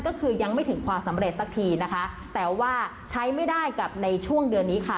ก็คือยังไม่ถึงความสำเร็จสักทีนะคะแต่ว่าใช้ไม่ได้กับในช่วงเดือนนี้ค่ะ